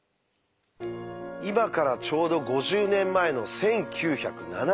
今からちょうど５０年前の１９７２年。